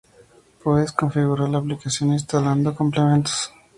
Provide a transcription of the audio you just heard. Puedes configurar la aplicación instalando complementos.